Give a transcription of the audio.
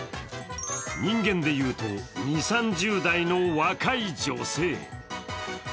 人間で言うと、２０、３０代の若い女性。